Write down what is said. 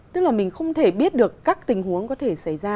tức là mình không thể biết được các tình huống có thể xảy ra